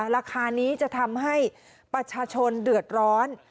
ราคานี้จะทำให้ประชาชนเดือดร้อน